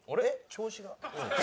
調子が。